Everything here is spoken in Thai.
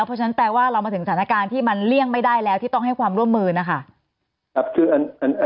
เพราะฉะนั้นแปลว่าเรามาถึงสถานการณ์ที่มันเลี่ยงไม่ได้แล้วที่ต้องให้ความร่วมมือนะคะ